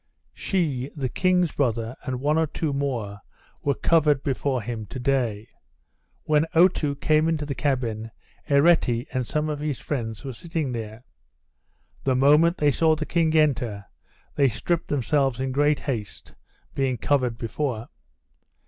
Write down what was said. She, the king's brother, and one or two more, were covered before him to day. When Otoo came into the cabin, Ereti and some of his friends were sitting there. The moment they saw the king enter, they stripped themselves in great haste, being covered before.